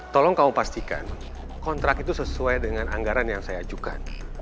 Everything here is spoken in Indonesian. tolong kamu pastikan kontrak itu sesuai dengan anggaran yang saya ajukan